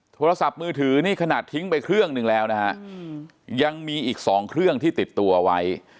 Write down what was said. โทรศัพท์มือถือนี่ขนาดทิ้งไปเครื่องหนึ่งแล้วนะฮะยังมีอีก๒เครื่องที่ติดตัวไว้